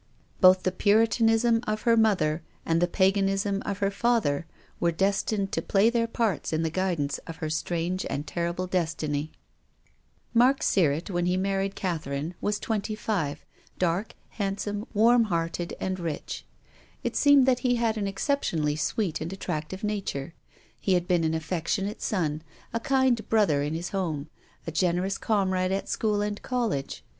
Both the Puritanism of her mother and the paganism of her father were destined to play their parts in the guidance of her strange and terrible destiny. 120 TONGUES OF CONSCIENCE. Mark Sirrctt, \vhcn he married Catherine, was twenty five, dark', handsome, warm hearted and rich. It seemed that he had an exceptionally sweet and attractive nature. He had been an affectionate son, a kind brother in his home, a generous comrade at school and college.